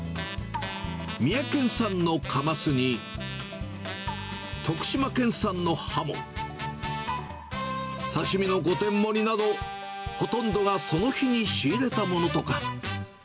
三重県産のカマスに、徳島県産のハモ、刺し身の５点盛りなど、ほとんどがその日に仕入れたものとか。